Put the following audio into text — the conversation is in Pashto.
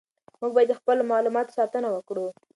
موږ باید د خپلو معلوماتو ساتنه وکړو.